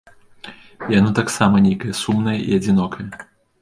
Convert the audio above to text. Яно таксама нейкае сумнае і адзінокае.